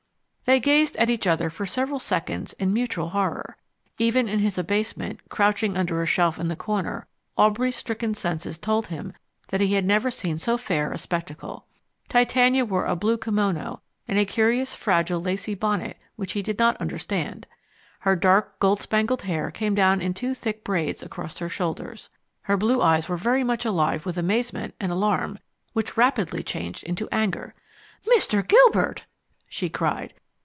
They gazed at each other for several seconds in mutual horror. Even in his abasement, crouching under a shelf in the corner, Aubrey's stricken senses told him that he had never seen so fair a spectacle. Titania wore a blue kimono and a curious fragile lacy bonnet which he did not understand. Her dark, gold spangled hair came down in two thick braids across her shoulders. Her blue eyes were very much alive with amazement and alarm which rapidly changed into anger. "Mr. Gilbert!" she cried.